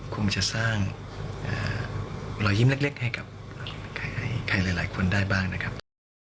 คงจะสร้างรอยยิ้มเล็กให้กับใครหลายคนได้บ้างนะครับ